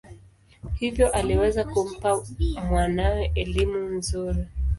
Hivyo aliweza kumpa mwanawe elimu nzuri.